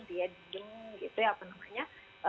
dia diem gitu ya apa namanya